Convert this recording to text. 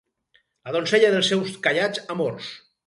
La donzella dels seus callats amors.